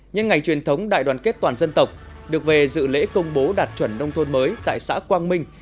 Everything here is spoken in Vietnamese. nhân ngày truyền thống đại đoàn kết toàn dân tộc được về dự lễ công bố đạt chuẩn nông thôn mới tại xã quang minh